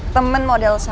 temen model saya